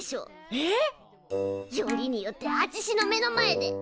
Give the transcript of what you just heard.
えっ！？よりによってあちしの目の前で！